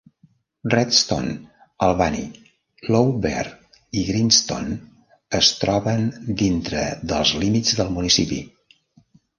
Redstone, Albany, Lowber i Grindstone es troben dintre dels límits del municipi.